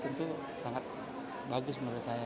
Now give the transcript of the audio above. tentu sangat bagus menurut saya